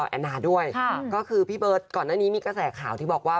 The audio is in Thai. แอนนาด้วยก็คือพี่เบิร์ตก่อนหน้านี้มีกระแสข่าวที่บอกว่า